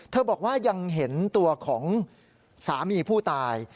บอกว่ายังเห็นตัวของสามีผู้ตาย